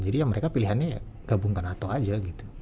jadi mereka pilihannya gabung ke nato aja gitu